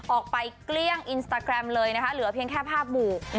เกลี้ยงอินสตาแกรมเลยนะคะเหลือเพียงแค่ภาพหมู่